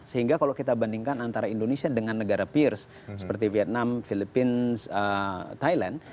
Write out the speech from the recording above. sehingga kalau kita bandingkan antara indonesia dengan negara peers seperti vietnam filipina thailand